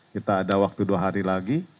kita ada waktu dua hari lagi